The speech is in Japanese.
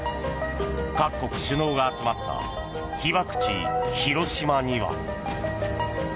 各国首脳が集まった被爆地・広島には。